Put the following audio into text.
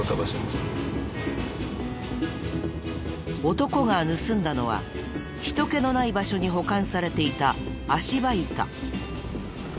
男が盗んだのは人気のない場所に保管されていた足場板。